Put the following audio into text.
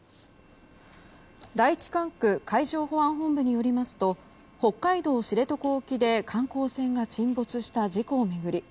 第１管区海上保安本部によりますと北海道知床沖で観光船が沈没した事故を巡り